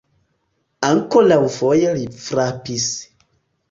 Ankoraŭfoje li frapis.